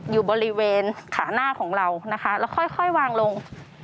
อยู่บริเวณขาหน้าของเรานะคะแล้วค่อยวางลง